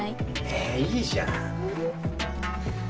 ええいいじゃん。